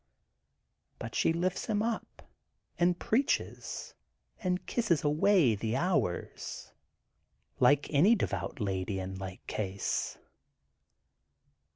But she lifts him up and she preaches and kisses away V the hours, like any devout lady in like case.